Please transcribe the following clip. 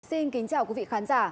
xin kính chào quý vị khán giả